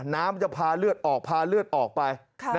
น้ำจะพาเลือดออกพาเลือดออกไป